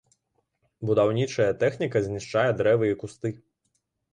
Будаўнічая тэхніка знішчае дрэвы і кусты.